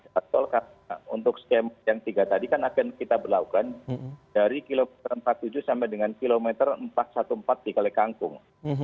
tol untuk skema yang tiga tadi kan akan kita berlakukan dari kilometer empat puluh tujuh sampai dengan kilometer empat ratus empat belas di kalikangkung